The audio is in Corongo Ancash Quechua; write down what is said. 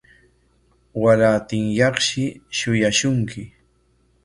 Warantinyaqshi shuyaashunki.